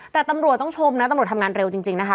แต่ตำรวจต้องชมนะตำรวจทำงานเร็วจริงนะคะ